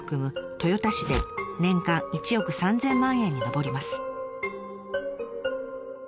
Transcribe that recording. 豊田市で年間１億３，０００万円に上ります。